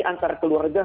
di nebayar itu tidak